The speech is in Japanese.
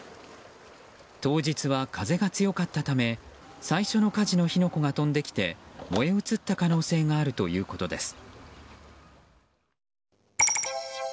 当日は風が強かったため最初の火事の火の粉が飛んできて燃え移った可能性があるということです。